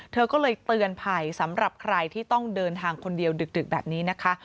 เธอก็เลยเตือนภัยสำหรับใครที่ต้องเดินทางคนเดียวดึกแบบนี้นะคะ